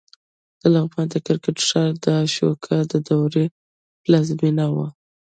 د لغمان د کرکټ ښار د اشوکا د دورې پلازمېنه وه